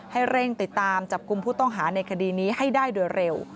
ให้เร่งติดตามจับกลุ่มผู้ต้องหาในคดีนี้ให้ได้โดยเร็ว